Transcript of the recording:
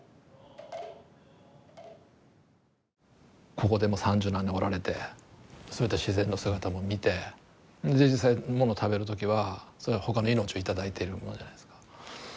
ここでもう三十何年おられてそういった自然の姿も見て実際もの食べる時はそれは他の命を頂いてるものじゃないですか。